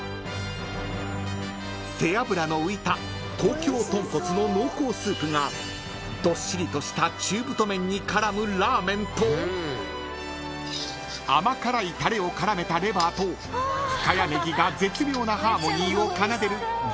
［背脂の浮いた東京豚骨の濃厚スープがどっしりとした中太麺に絡むラーメンと甘辛いタレを絡めたレバーと深谷ねぎが絶妙なハーモニーを奏でる］